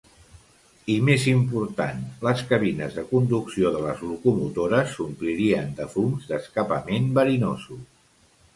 I més important, les cabines de conducció de les locomotores s'omplirien de fums d'escapament verinosos.